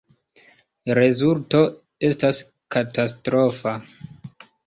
Rezulto estas katastrofa.